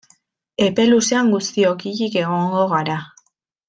Epe luzean guztiok hilik egongo gara.